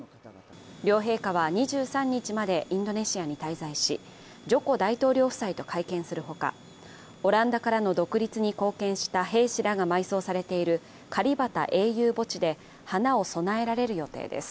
両陛下は２３日までインドネシアに滞在し、ジョコ大統領夫妻と会見するほか、オランダからの独立に貢献した兵士らが埋葬されているカリバタ英雄墓地で花を供えられる予定です。